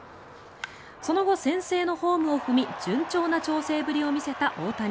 その後、先制のホームを踏み順調な調整ぶりを見せた大谷。